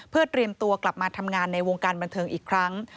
เพื่อเตรียมตัวกลับมาทำงานในวงการบันเทิงอีกครั้ง